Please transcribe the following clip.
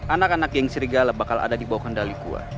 anak anak geng serigala bakal ada dibawah kendali gue